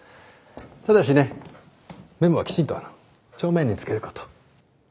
ただしねメモはきちんと帳面につける事。